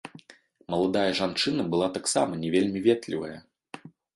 Маладая жанчына была таксама не вельмі ветлівая.